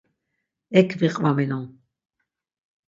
Ek viqvaminon.